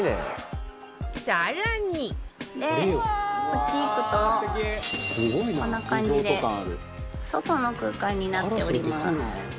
こっち行くとこんな感じで外の空間になっております。